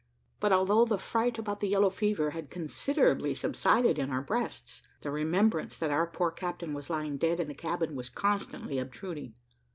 But although the fright about the yellow fever had considerably subsided in our breasts, the remembrance that our poor captain was lying dead in the cabin was constantly obtruding.